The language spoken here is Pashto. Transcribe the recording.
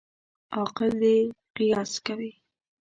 عاقل دي قیاس کوي.